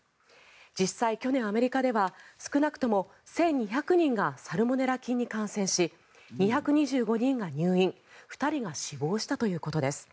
実際に去年、アメリカでは少なくとも１２００人がサルモネラ菌に感染し２２５人が入院２人が死亡したということです。